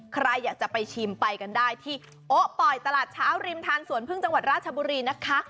ใครอยากจะไปชิมไปกันได้ที่โอ๊ปอยตลาดเช้าริมทานสวนพึ่งจังหวัดราชบุรีนะคะ